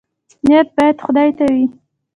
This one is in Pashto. نیت باید خدای ته وي